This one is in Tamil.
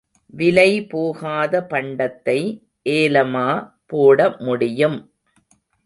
விலை போகாத பண்டத்தை ஏலமா போட முடியும்.